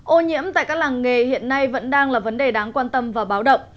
ô nhiễm tại các làng nghề hiện nay vẫn đang là vấn đề đáng quan tâm và báo động